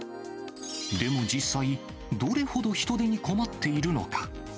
でも、実際、どれほど人手に困っているのか。